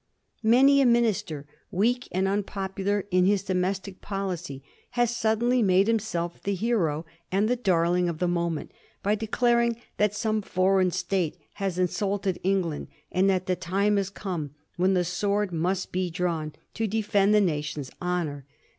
Many a minister, weak and unpopular in his domestic policy, has suddenly made himself the hero and the darling of the moment by declaring that some foreign state has insulted England, and that the time has come when the sword must be drawn to defend the nation's honor.